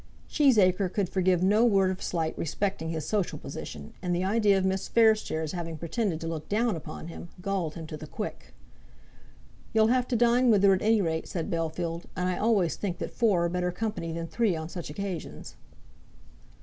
Cheesacre could forgive no word of slight respecting his social position, and the idea of Miss Fairstairs having pretended to look down upon him, galled him to the quick. "You'll have to dine with her at any rate," said Bellfield, "and I always think that four are better company than three on such occasions."